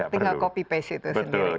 tinggal copy paste itu sendiri